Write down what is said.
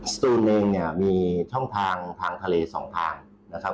สตูนเองเนี่ยมีช่องทางทางทะเลสองทางนะครับ